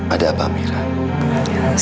ada apa mira